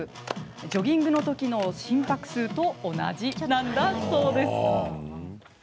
ジョギングの時の心拍数と同じなんだそうです。